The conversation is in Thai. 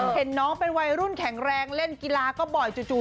เห็นน้องเป็นวัยรุ่นแข็งแรงเล่นกีฬาก็บ่อยจู่